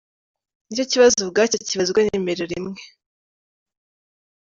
N’icyo kibazo ubwacyo kibazwa nimero rimwe.